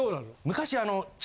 昔あの。